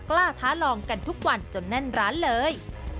กล้าท้าลองกันทุกวันจนแน่นร้านเลย